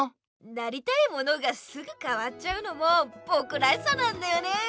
なりたいものがすぐかわっちゃうのもぼくらしさなんだよねえ！